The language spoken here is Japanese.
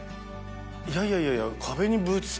いやいやいやいや。